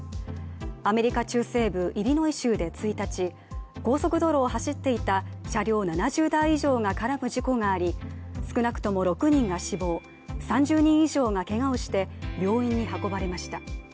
アメリカ中西部イリノイ州で１日高速道路を走っていた車両７０台以上が絡む事故があり少なくとも６人が死亡、３０人以上がけがをして、病院に運ばれました。